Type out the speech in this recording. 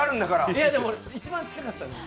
いや、でも一番近かったんですよ。